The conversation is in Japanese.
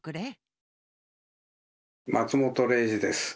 松本零士です。